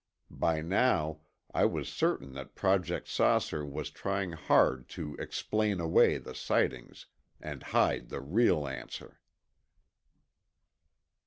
By now, I was certain that Project "Saucer" was trying hard to explain away the sightings and hide the real answer.